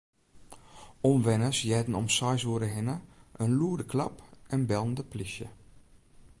Omwenners hearden om seis oere hinne in lûde klap en bellen de plysje.